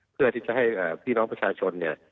เพื่อที่จะให้พี่น้องประชาชนเนี่ย